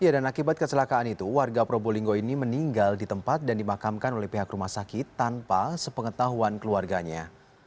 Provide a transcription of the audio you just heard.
dan akibat kecelakaan itu warga probolinggo ini meninggal di tempat dan dimakamkan oleh pihak rumah sakit tanpa sepengetahuan keluarganya